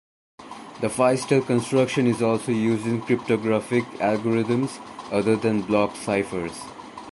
The Feistel construction is also used in cryptographic algorithms other than block ciphers.